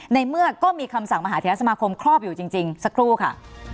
ในเมื่อก็มีคำสั่งมหาเทศสมาคมครอบอยู่จริงสักครู่ค่ะ